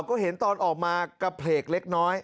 ก็เห็นตอนออกมากระเพลกเล็กน้อย